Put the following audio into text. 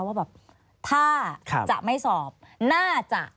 ว่าแบบถ้าจะไม่สอบน่าจะ